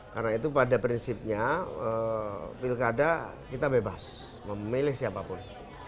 karena itu pada prinsipnya pilkada kita bebas memilih siapapun